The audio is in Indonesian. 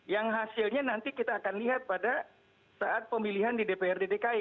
yang hasilnya nanti kita akan lihat pada saat pemilihan di dprd dki